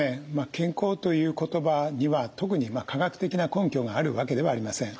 「健康」という言葉には特に科学的な根拠があるわけではありません。